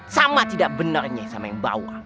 sama tidak benernya sama yang bawa